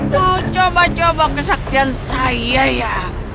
tuh coba coba kesaktian saya ya